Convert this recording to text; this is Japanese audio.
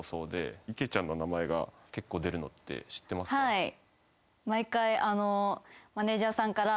はい。